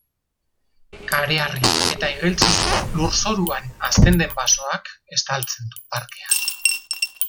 Kareharri eta igeltsuzko lurzoruan hazten den basoak estaltzen du parkea.